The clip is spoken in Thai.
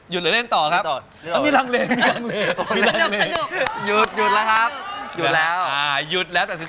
ยินดีด้วย